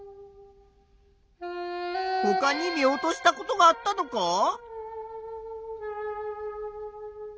ほかに見落としたことがあったのか？